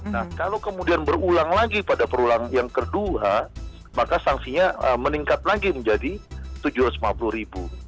nah kalau kemudian berulang lagi pada perulang yang kedua maka sanksinya meningkat lagi menjadi rp tujuh ratus lima puluh ribu